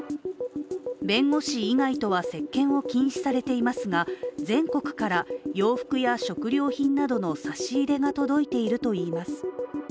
弁護士以外とは接見を禁止されていますが全国から洋服や食料品などの差し入れが届いているといいます。